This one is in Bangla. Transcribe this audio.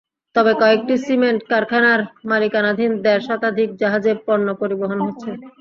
তবে কয়েকটি সিমেন্ট কারখানার মালিকানাধীন দেড় শতাধিক জাহাজে পণ্য পরিবহন হচ্ছে।